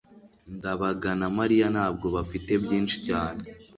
ndabaga na mariya ntabwo bafite byinshi cyane